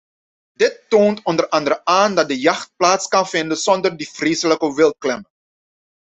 Dit toont o.a. aan dat de jacht plaats kan vinden zonder die vreselijke wildklemmen.